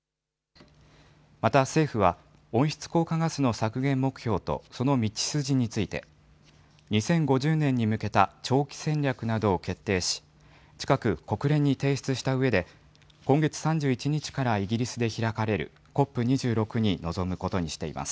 また政府は、温室効果ガスの削減目標とその道筋について、２０５０年に向けた長期戦略などを決定し、近く、国連に提出したうえで、今月３１日からイギリスで開かれるＣＯＰ２６に臨むことにしています。